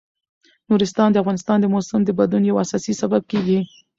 نورستان د افغانستان د موسم د بدلون یو اساسي سبب کېږي.